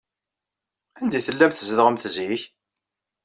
Anda ay tellamt tzedɣemt zik?